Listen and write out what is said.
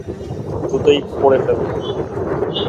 দ্রুত-ই পরে ফেলবো।